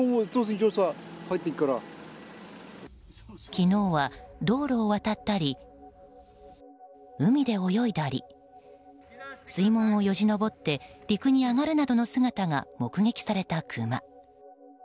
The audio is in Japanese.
昨日は道路を渡ったり海で泳いだり水門をよじ登って陸に上がるなどの姿が目撃されたクマ。